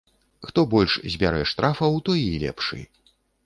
Хто больш збярэ штрафаў, той і лепшы.